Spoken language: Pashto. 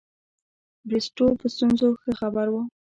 بریسټو په ستونزو ښه خبر وو.